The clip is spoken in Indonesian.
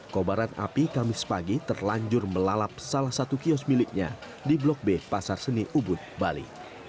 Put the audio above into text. kobaran api kamis pagi terlanjur melalap salah satu kios miliknya di blok b pasar seni ubud bali